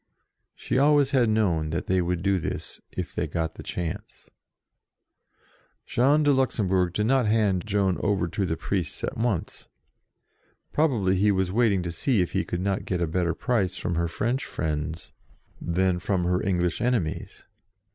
She always had known that they would do this, if they got the chance. Jean de Luxembourg did not hand Joan over to the priests at once: probably he 94 JOAN OF ARC was waiting to see if he could not get a better price from her French friends than from her English enemies.